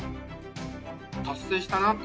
達成したなって。